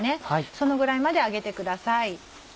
そのぐらいまで揚げてください。